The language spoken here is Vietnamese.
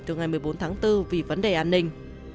từ ngày một mươi bốn tháng bốn vì vấn đề an ninh